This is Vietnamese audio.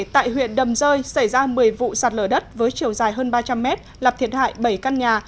tại huyện đầm rơi xảy ra một mươi vụ sạt lở đất với chiều dài hơn ba trăm linh mét làm thiệt hại bảy căn nhà